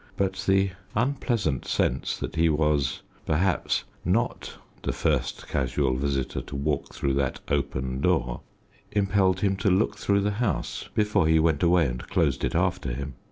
But the unpleasant sense that he was, perhaps, not the first casual visitor to walk through that open door impelled him to look through the house before he went away and closed it after him.